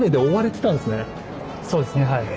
そうですねはい。